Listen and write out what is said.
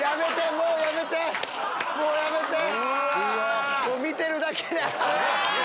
もう見てるだけで！